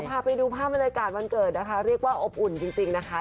พาไปดูภาพบรรยากาศวันเกิดนะคะเรียกว่าอบอุ่นจริงนะคะ